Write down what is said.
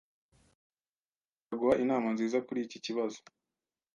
Azaguha inama nziza kuri iki kibazo